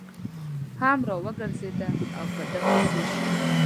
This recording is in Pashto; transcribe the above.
هم را وګرځېد او په ده پسې شو.